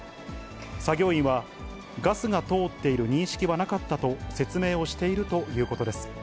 作業員は、ガスが通っている認識はなかったと説明をしているということです。